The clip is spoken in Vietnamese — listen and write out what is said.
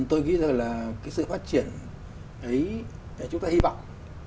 tôi nghĩ rằng là cái sự phát triển ấy chúng ta hy vọng